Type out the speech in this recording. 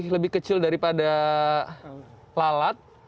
lebih kecil daripada lalat